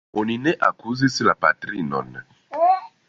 Oni ne akuzis la patrinon.